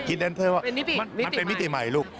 กรี๊ดแดนเซอร์มันเป็นมิติใหม่ลูก